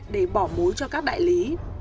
để bỏ mối cho các đại lý